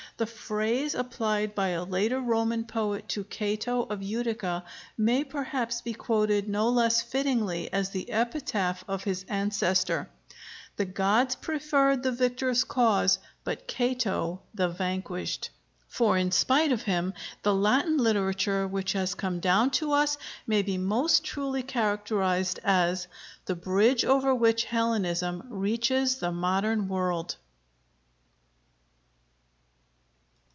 The phrase applied by a later Roman poet to Cato of Utica may perhaps be quoted no less fittingly as the epitaph of his ancestor: "The gods preferred the victor's cause, but Cato the vanquished;" for in spite of him, the Latin literature which has come down to us may be most truly characterized as "the bridge over which Hellenism reaches the modern world."